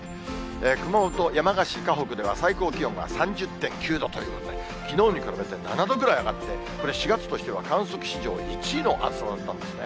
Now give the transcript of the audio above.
熊本・山鹿市鹿北では最高気温が３０．９度ということで、きのうに比べて７度ぐらい上がって、これ、４月としては観測史上１位の暑さだったんですね。